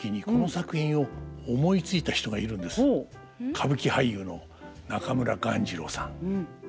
歌舞伎俳優の中村鴈治郎さん。